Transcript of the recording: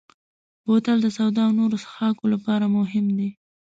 بوتل د سوډا او نورو څښاکو لپاره مهم دی.